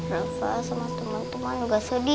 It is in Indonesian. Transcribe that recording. rafa sama temen temen juga sedih